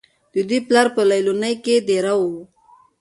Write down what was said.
د دوي پلار پۀ ليلونۍ کښې دېره وو